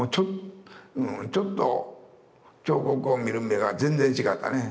ちょっと彫刻を見る目が全然違ったね。